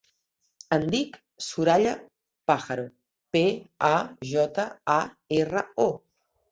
Em dic Soraya Pajaro: pe, a, jota, a, erra, o.